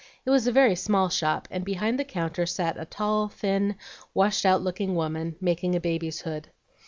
It was a very small shop, and behind the counter sat a tall, thin, washed out looking woman, making a baby's hood.